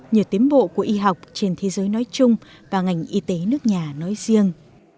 nhờ tiến bộ của y học trên thế giới nói chung và ngành y tế nước nhà nói riêng